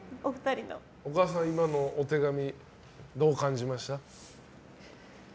お母さん、今のお手紙どう感じました？